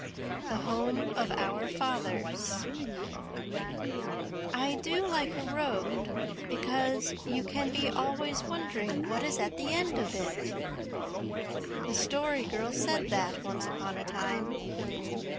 THE HOME OF OUR FATHERS "I do like a road, because you can be always wondering what is at the end of it." The Story Girl said that once upon a time.